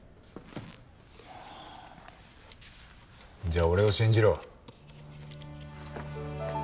じゃあ俺を信じろ。